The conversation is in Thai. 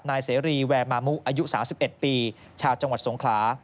นายเสรีแวร์มามุอายุ๓๑ปีชาวจังหวัดสงขลา